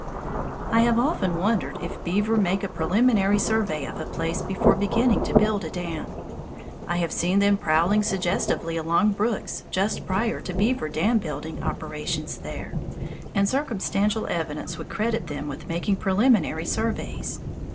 I have often wondered if beaver make a preliminary survey of a place before beginning to build a dam. I have seen them prowling suggestively along brooks just prior to beaver dam building operations there, and circumstantial evidence would credit them with making preliminary surveys.